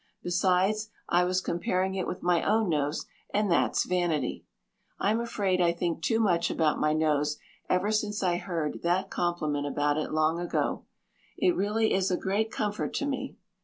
Besides, I was comparing it with my own nose and that's vanity. I'm afraid I think too much about my nose ever since I heard that compliment about it long ago. It really is a great comfort to me.